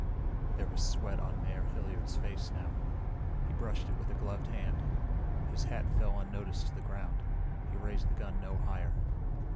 There was sweat on Mayor Hilliard's face now. He brushed it with a gloved hand. His hat fell unnoticed to the ground. He raised the gun no higher.